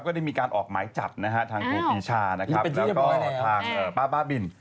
ได้มีการออกหมายจับนะฮะทางครูปีชานะครับแล้วก็ทางป้าบ้าบิน